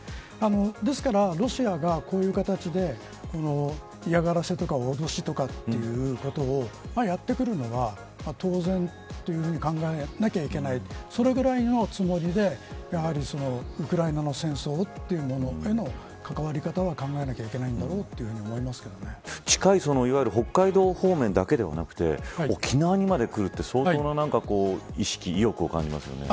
ですから、ロシアがこういう形で嫌がらせとか脅しとかということをやってくるのは当然というふうに考えなきゃいけないそれぐらいのつもりでウクライナな戦争というものへの関わり方は考えなければいけないだろうと思います近い北海道方面だけではなくて沖縄にまで来るって相当な意欲を感じますよね。